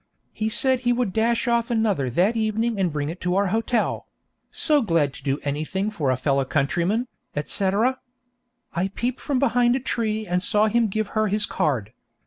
He said he would 'dash off' another that evening and bring it to our hotel 'so glad to do anything for a fellow countryman,' etc. I peeped from behind a tree and saw him give her his card.